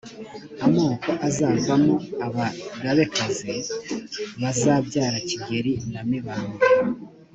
amoko azavamo abagabekazi bazabyara kigeri na mibambwe